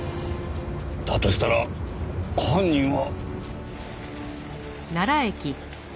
だとしたら犯人は。